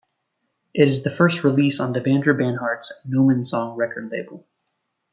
It is the first release on Devendra Banhart's Gnomonsong record label.